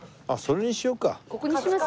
ここにします？